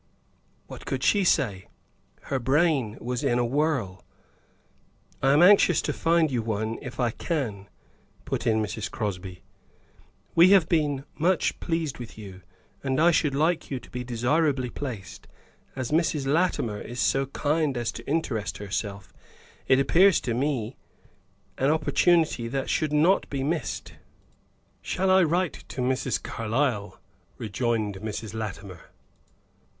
What could she say? Her brain was in a whirl. "I am anxious to find you one if I can," put in Mrs. Crosby. "We have been much pleased with you, and I should like you to be desirably placed. As Mrs. Latimer is so kind as to interest herself, it appears to me an opportunity that should not be missed." "Shall I write to Mrs. Carlyle?" rejoined Mrs. Latimer.